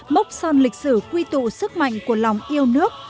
mốc son lịch sử quy tụ sức mạnh của lòng yêu nước